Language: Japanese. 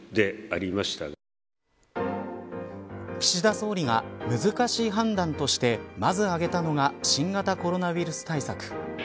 岸田総理が、難しい判断としてまず挙げたのが新型コロナウイルス対策。